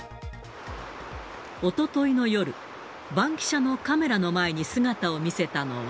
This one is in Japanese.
おとといの夜、バンキシャのカメラの前に姿を見せたのは。